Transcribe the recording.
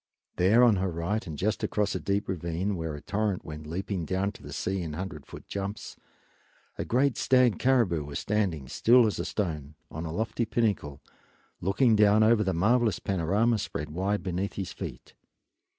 There on her right, and just across a deep ravine where a torrent went leaping down to the sea in hundred foot jumps, a great stag caribou was standing, still as a stone, on a lofty pinnacle, looking down over the marvelous panorama spread wide beneath his feet.